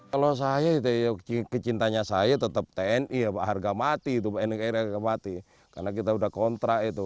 kalau saya kecintanya saya tetap tni harga mati karena kita sudah kontrak itu